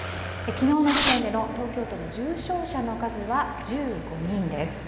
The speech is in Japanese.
昨日の時点での東京都の重症者の数は１５人です。